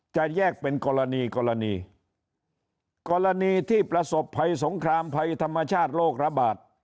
จะแยกเป็นกรณีกรณีที่ประสบภัยสงครามภัยธรรมชาติโรคระบาด